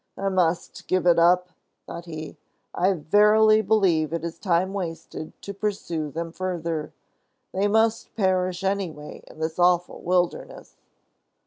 "I must give it up," thought he. "I verily believe it is time wasted to pursue them further. They must perish anyway in this awful wilderness."